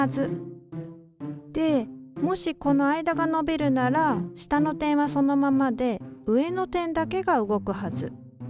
でもしこの間が伸びるなら下の点はそのままで上の点だけが動くはず。